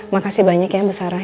makasih banyak ya bu sarah